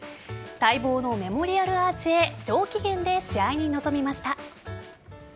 待望のメモリアルアーチへ上機嫌で試合に臨みました。